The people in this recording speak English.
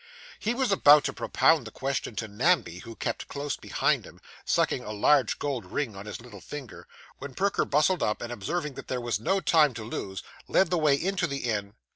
He was about to propound the question to Namby, who kept close beside him, sucking a large gold ring on his little finger, when Perker bustled up, and observing that there was no time to lose, led the way into the inn.